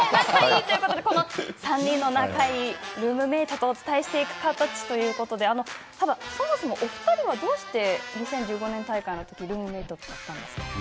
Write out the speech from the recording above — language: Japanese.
この３人の仲いいルームメートとお伝えしていく形ということでそもそも、お二人はどうして２０１５年大会でルームメートだったんですか。